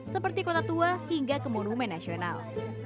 seperti kota tua hingga ke monumen nasional